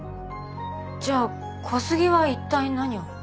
じゃあ小杉は一体何を？